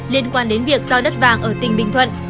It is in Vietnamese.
liên quan đến việc giao đất vàng ở tỉnh bình thuận